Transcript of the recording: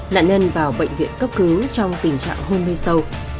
nạn nhân vào bệnh viện cấp cứu trong tình trạng hôn mê sâu